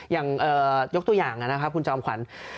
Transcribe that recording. อย่างยกตัวอย่างนะครับคุณจอมขวัญ